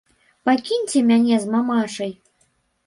Пакіньце мяне з мамашай.